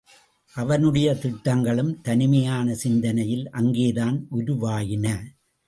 அவனுடைய திட்டங்களும் தனிமையான சிந்தனையில் அங்கேதான் உருவாயின.